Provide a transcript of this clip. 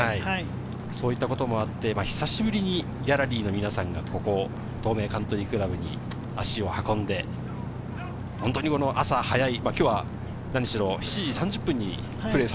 そういったこともあって久しぶりにギャラリーの皆さんが東名カントリークラブに足を運んで、本当に朝早い。